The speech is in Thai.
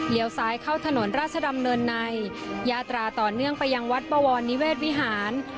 ซ้ายเข้าถนนราชดำเนินในยาตราต่อเนื่องไปยังวัดบวรนิเวศวิหาร